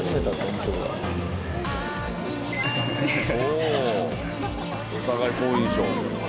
お互い好印象。